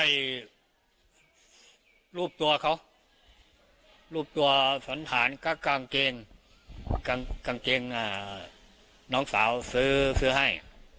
สิบตัวเขารูปตัวสรรถานกลางเกงกังเกงน้องสาวซื้อให้